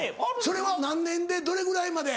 それは何年でどれぐらいまで？